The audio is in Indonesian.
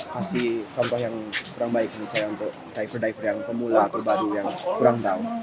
kasih contoh yang kurang baik misalnya untuk diver diver yang pemula atau baru yang kurang tahu